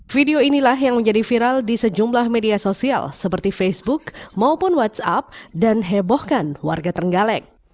video inilah yang menjadi viral di sejumlah media sosial seperti facebook maupun whatsapp dan hebohkan warga trenggalek